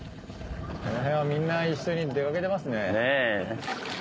これはみんな一緒に出かけてますね。ねぇ。